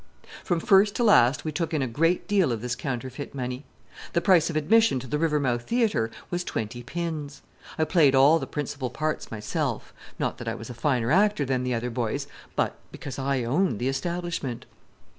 From first to last we took in a great deal of this counterfeit money. The price of admission to the "Rivermouth Theatre" was twenty pins. I played all the principal parts myself not that I was a finer actor than the other boys, but because I owned the establishment.